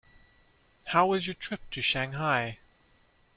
How was your trip to Shanghai?